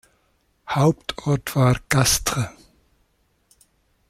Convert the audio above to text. Hauptort war Castres.